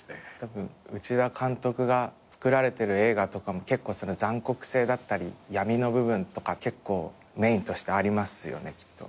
内田監督が作られてる映画とかも残酷性だったり闇の部分とか結構メインとしてありますよねきっと。